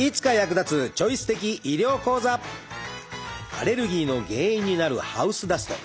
アレルギーの原因になるハウスダスト。